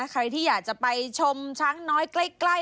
ใครที่อยากจะไปชมช้างน้อยใกล้